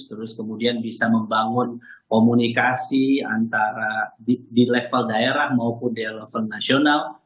terus kemudian bisa membangun komunikasi antara di level daerah maupun di level nasional